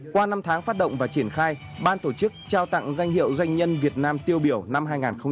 qua năm tháng phát động và triển khai ban tổ chức trao tặng danh hiệu doanh nhân việt nam tiêu biểu năm hai nghìn một mươi chín